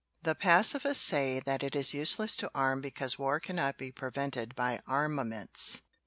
"The pacifists say that it is useless to arm be cause war cannot be prevented by armaments.